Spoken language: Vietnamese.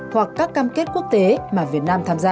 hoặc các cam kết quốc tế mà việt nam tham gia